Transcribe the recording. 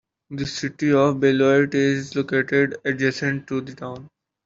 The City of Beloit is located adjacent to the town.